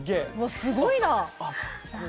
すごいな！